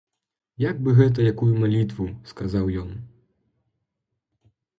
Як бы гэта якую малітву сказаў ён.